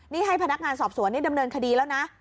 นี่ให้พนักงานสอบสวนนี่ดำเนินคดีแล้วนะ